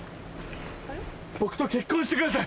僕と結婚してください！